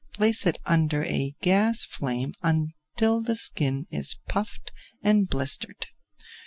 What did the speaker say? Place it under a gas flame until the skin is puffed and blistered.